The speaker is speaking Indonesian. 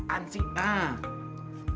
an sih ah